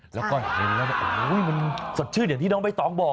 แล้วก็เห็นมันสดชื่นอย่างที่น้องเบ้ยต้องบอก